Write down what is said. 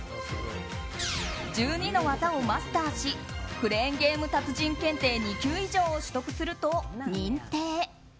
１２の技をマスターしクレーンゲーム達人検定２級以上を取得すると認定。